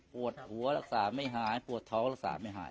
ปวดหัวรักษาไม่หายปวดท้องรักษาไม่หาย